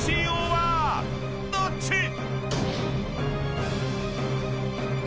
［どっち⁉］